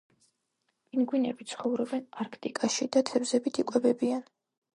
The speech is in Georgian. პინგვინები ცხოვრობენ არქტიკაში და თევზებით იკვებებიან